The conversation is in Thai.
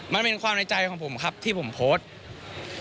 มันเป็นความในใจของผมครับที่ผมโพสต์